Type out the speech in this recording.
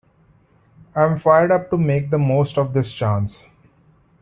I am fired up to make the most of this chance.